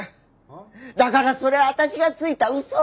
だからそれは私がついた嘘なんだよ。